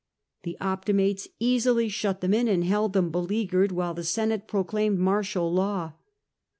The Optimates easily shut them in and held them beleaguered, while the Senate proclaimed martial law.